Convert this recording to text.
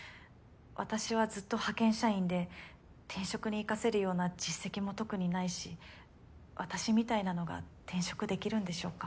私はずっと派遣社員で転職に生かせるような実績も特にないし私みたいなのが転職できるんでしょうか？